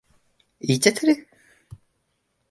その言い間違いはないでしょ